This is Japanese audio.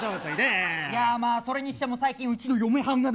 それにしても最近うちの嫁はんがね。